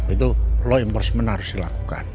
itu law enforcement harus dilakukan